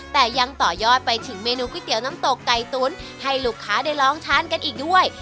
แต่ยังต่อยอดไปถึงเมนูก๋วยเตี๋ยวน้ำตกไก่ตุ๋นให้ลูกค้าได้ลองทานกันอีกด้วย